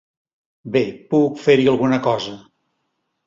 Bé, puc fer-hi alguna cosa.